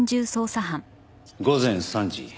午前３時。